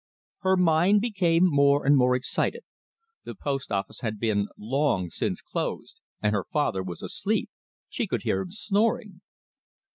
Her mind became more and more excited. The postoffice had been long since closed, and her father was asleep she could hear him snoring.